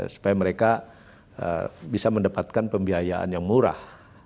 supaya mereka bisa mendapatkan pembiayaan yang murah